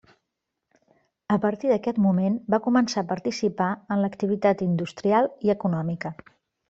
A partir d'aquest moment va començar a participar en l'activitat industrial i econòmica.